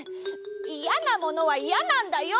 いやなものはいやなんだよ！